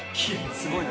すごい！